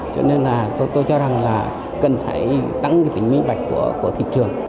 cho nên là tôi cho rằng là cần phải tăng cái tính minh bạch của thị trường